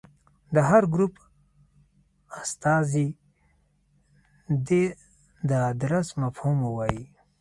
د هر ګروپ استازي دې د درس مفهوم ووايي.